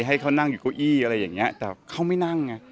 ให้เขานั่งอยู่โก้ยอะไรอย่างนี้แต่เขาไม่นั่ง